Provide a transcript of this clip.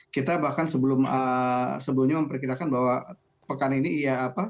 kita bahkan sebelumnya memperkirakan bahwa pekan ini iya apa